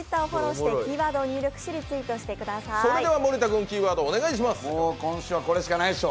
森田君、キーワードお願いします。